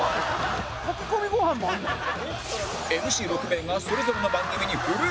ＭＣ６ 名がそれぞれの番組にフル参戦！